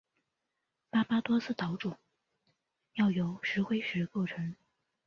巴巴多斯岛主要由石灰石构成。